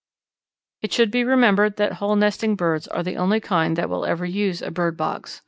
It should be remembered that hole nesting birds are the only kind that will ever use a bird box.